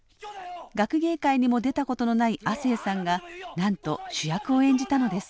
学芸会にも出たことのない亜星さんがなんと主役を演じたのです。